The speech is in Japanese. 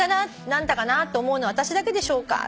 何だかなと思うのは私だけでしょうか？」